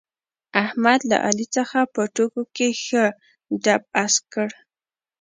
احمد له علي څخه په ټوکو کې ښه دپ اسک کړ.